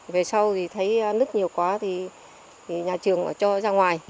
về sau thì thấy nứt nhiều quá thì nhà trường cho ra ngoài